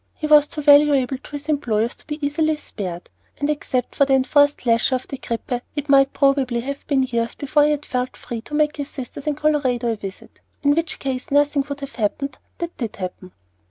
He was too valuable to his employers to be easily spared, and except for the enforced leisure of the grippe it might probably have been years before he felt free to make his sisters in Colorado a visit, in which case nothing would have happened that did happen.